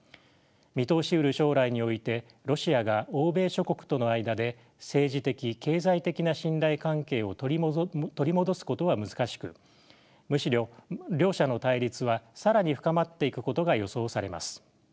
見通しうる将来においてロシアが欧米諸国との間で政治的経済的な信頼関係を取り戻すことは難しくむしろ両者の対立は更に深まっていくことが予想されます。